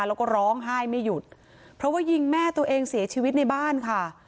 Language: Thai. แล้วก็ร้องไห้ไม่หยุดเพราะว่ายิงแม่ตัวเองเสียชีวิตในบ้านค่ะ